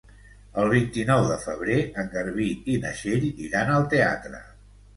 El vint-i-nou de febrer en Garbí i na Txell iran al teatre.